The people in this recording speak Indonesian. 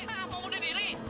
hah mau bunuh diri